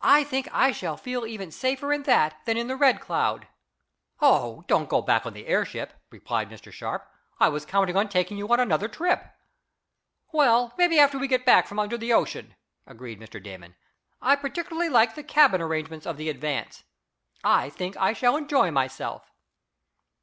"I think I shall feel even safer in that than in the Red Cloud." "Oh, don't go back on the airship!" exclaimed Mr Sharp. "I was counting on taking you on another trip." "Well, maybe after we get back from under the ocean," agreed Mr. Damon. "I particularly like the cabin arrangements of the Advance. I think I shall enjoy myself."